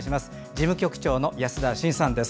事務局長の安田慎さんです。